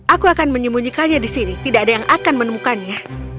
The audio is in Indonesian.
aku akan menyembunyikannya di sini tidak ada yang akan menemukannya